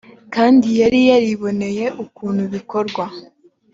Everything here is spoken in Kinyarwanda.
kandi yari yariboneye ukuntu bikorwa